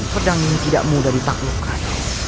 pedang ini tidak mudah ditaklukkan